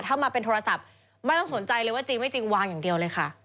ถ้ามาเป็นโทรศัพท์ไม่ต้องสนใจเลยว่าจริงไม่จริงวางอย่างเดียวเลยค่ะ